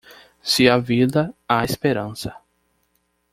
Se há vida, há esperança.